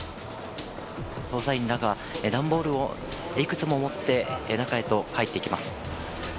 捜査員らが段ボールをいくつも持って、中へと入っていきます。